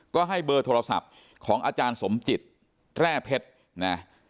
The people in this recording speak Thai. ก็ให้เบอร์โทรศัพท์ของอาจารย์สมจิตแร่เพชรนะ